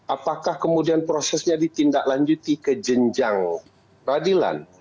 apakah kemudian prosesnya ditindaklanjuti ke jenjang radilan